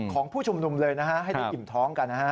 ของผู้ชุมนุมเลยนะครับให้ทุกคนอิ่มท้องกัน